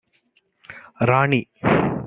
ராணி: